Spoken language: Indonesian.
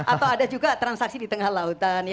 atau ada juga transaksi di tengah lautan